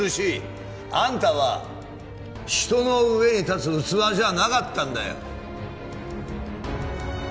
あんたは人の上に立つ器じゃなかったんだよ！